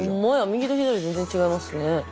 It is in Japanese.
右と左全然違いますね。